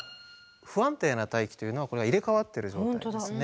不安定な大気というのはこれが入れ代わってる状態ですね。